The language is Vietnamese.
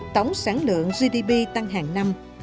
tổng sản lượng gdp tăng hàng năm